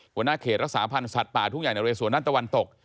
หัวหน้าเขตและสาพันธุ์สัตว์ป่าทุกอย่างในเรศวรนั่นตะวันตก